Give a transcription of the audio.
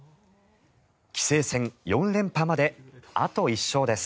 棋聖戦４連覇まであと１勝です。